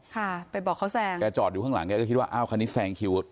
แกเจาะอยู่ข้างหลังแกก็คิดว่าอ้าวคันนี้แซงคิว